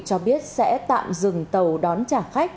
cho biết sẽ tạm dừng tàu đón trả khách